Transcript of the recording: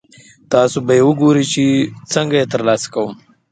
تاسې به ګورئ چې څنګه یې ترلاسه کوم.